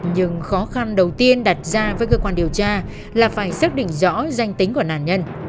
nhưng khó khăn đầu tiên đặt ra với cơ quan điều tra là phải xác định rõ danh tính của nạn nhân